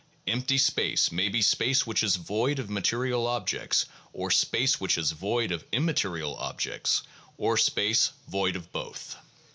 "Empty" space may be space which is void of material objects or space which is void of immaterial objects or space void of both.